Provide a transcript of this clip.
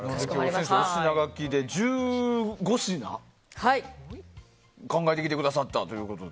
先生、お品書きで１５品考えてきてくださったと。